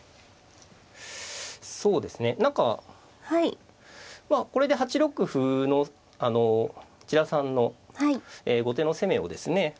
そうですねなんかこれで８六歩の千田さんの後手の攻めをですね